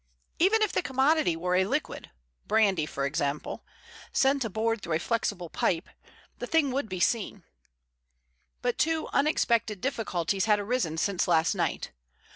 Even if the commodity were a liquid—brandy, for example—sent aboard through a flexible pipe, the thing would be seen. But two unexpected difficulties had arisen since last night.